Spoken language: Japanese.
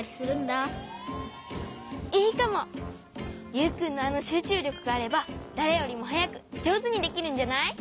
ユウくんのあのしゅうちゅうりょくがあればだれよりもはやくじょうずにできるんじゃない？